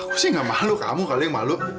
aku sih gak malu kamu kalau yang malu